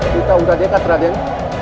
kita sudah dekat raden